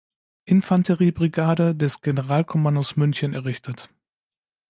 Infanterie-Brigade des Generalkommandos München errichtet.